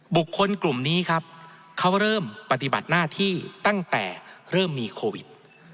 กลุ่มนี้ครับเขาเริ่มปฏิบัติหน้าที่ตั้งแต่เริ่มมีโควิด